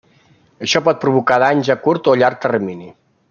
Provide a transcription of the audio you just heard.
Això pot provocar danys a curt o llarg termini.